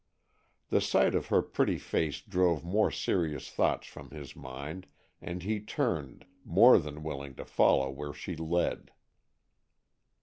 The sight of her pretty face drove more serious thoughts from his mind, and he turned, more than willing to follow where she led.